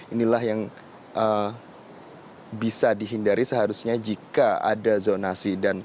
inilah yang bisa dihindari seharusnya jika ada zonasi